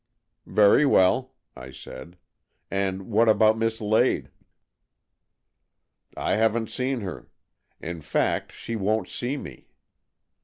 "Very well," I said. "And what about Miss Lade?" " I haven't seen her. In fact, she won't see me.